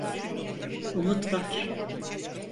Umut var.